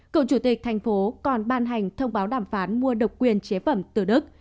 cựu chủ tịch thành phố còn ban hành thông báo đàm phán mua độc quyền chế phẩm từ đức